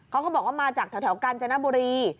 เขาบอกว่ามาจากแถวกาญจนบุรี